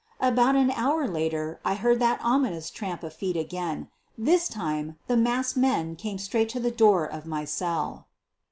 About an hour later I heard that ominous tramp of feet again! This time the masked men cam© straight to the door of my cell.